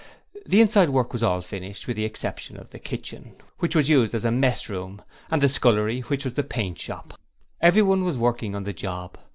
The inside work was all finished with the exception of the kitchen, which was used as a mess room, and the scullery, which was the paint shop. Everybody was working on the job.